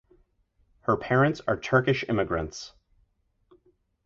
Her parents are Turkish immigrants.